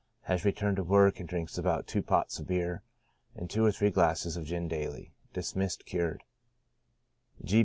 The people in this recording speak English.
Has returned to work, and drinks about two pots of beer, and two or three glasses of gin daily. Dismissed cured.